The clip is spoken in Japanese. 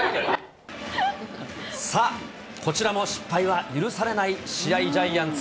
さあ、こちらも失敗は許されない試合、ジャイアンツ。